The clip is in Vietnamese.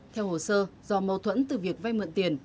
theo hồ sơ do mâu thuẫn từ việc vay mượn tiền